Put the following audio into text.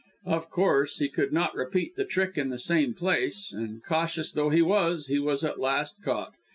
Of course, he could not repeat the trick in the same place, and cautious though he was, he was at last caught.